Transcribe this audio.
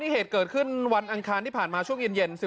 เหตุเกิดขึ้นวันอังคารที่ผ่านมาช่วงเย็น